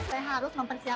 saya harus mempersiapkan